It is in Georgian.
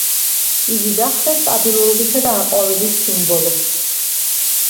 იგი გახდა სტაბილურობის და აყვავების სიმბოლო.